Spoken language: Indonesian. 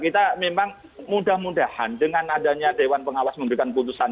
kita memang mudah mudahan dengan adanya dewan pengawas memberikan putusan